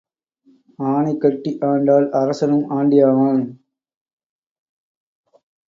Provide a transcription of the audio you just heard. ஆனை கட்டி ஆண்டால் அரசனும் ஆண்டி ஆவான்.